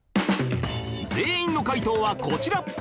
全員の解答はこちら